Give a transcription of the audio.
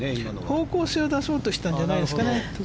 方向性を出そうとしたんじゃないですかね。